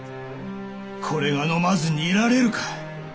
これが飲まずにいられるか。